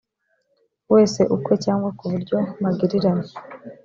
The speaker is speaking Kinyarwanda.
wese ukwe cyangwa ku buryo magirirane